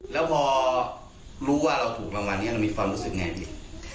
แล้วพอรู้ว่าเราถูกละมันเรามีความรู้สึกไงดี